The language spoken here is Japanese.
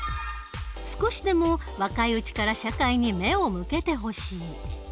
少しでも若いうちから社会に目を向けてほしい。